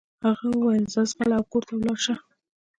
هغه وويل ځه ځغله او کور ته ولاړه شه.